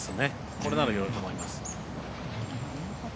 これなら寄ると思います。